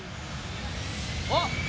あっ！